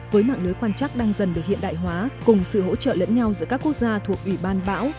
với mạng lưới quan trắc đang dần được hiện đại hóa cùng sự hỗ trợ lẫn nhau giữa các quốc gia thuộc ủy ban bão